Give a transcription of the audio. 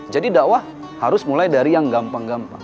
jadi dakwah harus mulai dari yang gampang gampang